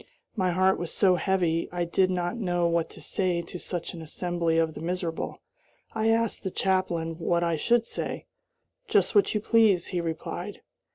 My heart was so heavy I did not know what to say to such an assembly of the miserable. I asked the chaplain what I should say. "Just what you please," he replied.